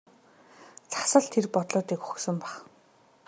Цас л тэр бодлуудыг өгсөн байх.